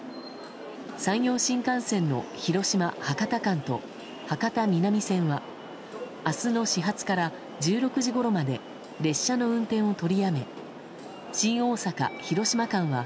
山陽新幹線の広島博多間と博多南線は明日の始発から１６時ごろまで列車の運転を取りやめ新大阪広島間は